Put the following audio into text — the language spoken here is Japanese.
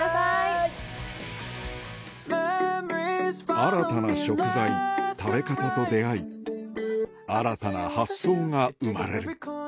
新たな食材食べ方と出合い新たな発想が生まれる